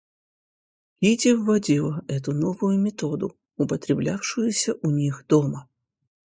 Кити вводила эту новую методу, употреблявшуюся у них дома.